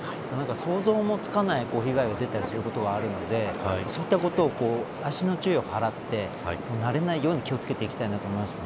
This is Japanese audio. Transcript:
想像もつかない被害が出たりすることがあるのでそういったことを細心の注意を払って慣れないようにそうですね。